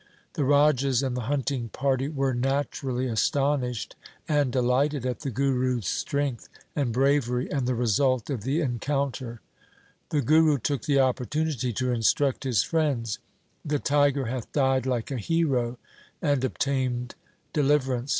The Rajas and the hunting party were naturally aston ished and delighted at the Guru's strength and bravery and the result of the encounter. The Guru took the opportunity to instruct his c 2 20 THE SIKH RELIGION friends :' The tiger hath died like a hero and ob tained deliverance.